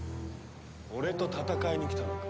俺と戦いに来たのか？